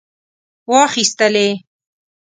واخیستلې.